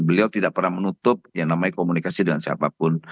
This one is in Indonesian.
beliau tidak pernah menutup yang namanya komunikasi dengan siapapun